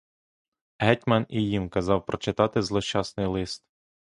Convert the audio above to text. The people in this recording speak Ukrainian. Гетьман і їм казав прочитати злощасний лист.